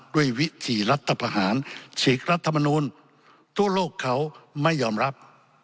วิถีรัฐประหารฉีกรัฐมนูลทั่วโลกเขาไม่ยอมรับ